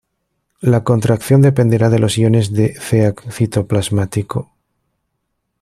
La contracción dependerá de los iones de Ca citoplasmático.